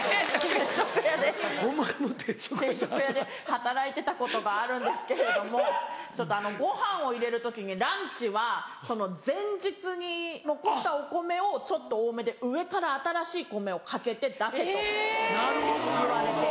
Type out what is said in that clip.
働いてたことがあるんですけれどもご飯を入れる時にランチは前日に残ったお米をちょっと多めで上から新しい米をかけて出せと言われて。